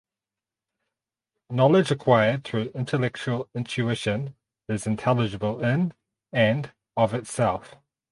Knowledge acquired through intellectual intuition is intelligible in and of itself.